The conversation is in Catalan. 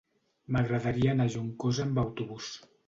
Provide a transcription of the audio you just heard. M'agradaria anar a Juncosa amb autobús.